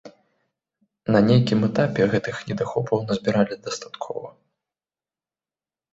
На нейкім этапе гэтых недахопаў назбіралі дастаткова.